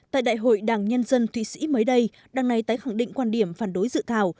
tại đại hội đảng nhân dân thụy sĩ mới đây đảng này tái khẳng định quan điểm phản đối dự thảo